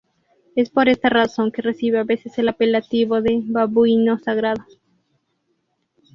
Es por esta razón que recibe a veces el apelativo de "babuino sagrado".